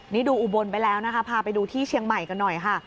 นี่ดูอุบลไปแล้วนะคะพาไปดูที่เชียงใหม่กันหน่อยค่ะ